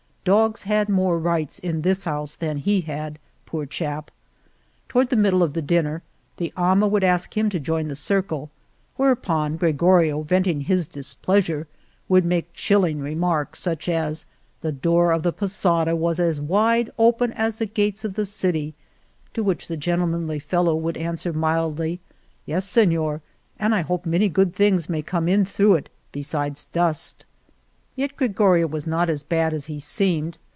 Dogs had more rights in this house than he had, poor chap. To ward the middle of the dinner the ama would ask him to join the circle, whereupon Gregorio, venting his displeasure, would make chilling remarks, such as, "the door of the posada was as wide open as the gates of the city," to which the gentlemanly fellow would answer, mildly, Yes, Senor, and I hope many good things may come in through it besides dust" Yet Gregorio was not as bad as he seemed.